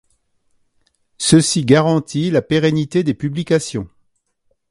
Ceci garantit la pérennité des publications.